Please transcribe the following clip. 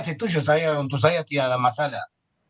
saya setuju untuk saya tidak ada masalah